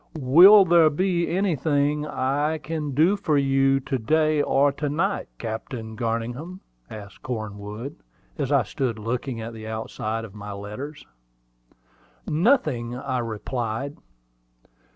"Will there be anything I can do for you to day or to night, Captain Garningham?" asked Cornwood, as I stood looking at the outside of my letters. "Nothing," I replied.